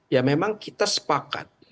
ya memang kita sepakat